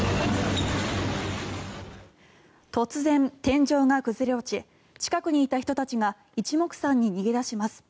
突然、天井が崩れ落ち近くにいた人たちが一目散に逃げ出します。